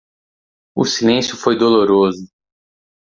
O silêncio foi doloroso.